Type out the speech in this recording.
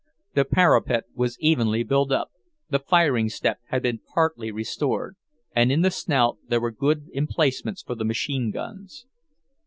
The parapet was evenly built up, the firing step had been partly restored, and in the Snout there were good emplacements for the machine guns.